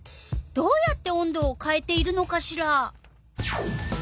どうやって温度をかえているのかしら？